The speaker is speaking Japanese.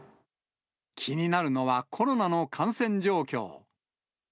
気になるのはコロナの感染状況。